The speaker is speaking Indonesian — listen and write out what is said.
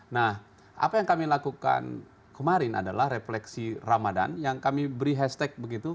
nah apa yang kami lakukan kemarin adalah refleksi ramadan yang kami beri hashtag begitu